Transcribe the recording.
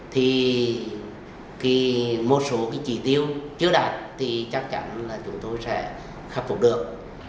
thì một số cái chỉ tiêu chưa đạt thì chắc chắn là chúng tôi sẽ khắc phục được